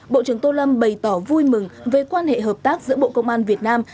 bộ trưởng tô lâm bày tỏ vui mừng về quan hệ hợp tác giữa bộ công an việt nam